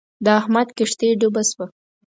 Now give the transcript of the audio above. د احمد کښتی ډوبه شوه.